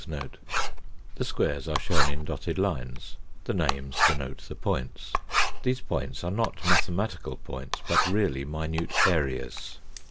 1 The squares are shown in dotted lines, the names denote the points. These points are not mathematical points, but really minute areas.